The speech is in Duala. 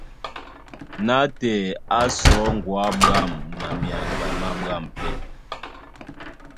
Nátɛɛ á sɔ̌ ŋgɔ̌ á ɓwâm na myaŋga má ɓwâm pɛ́.